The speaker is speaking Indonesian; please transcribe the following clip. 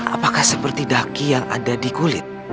apakah seperti daki yang ada di kulit